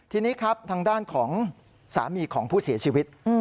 ทีนี้ครับทางด้านของสามีของผู้เสียชีวิต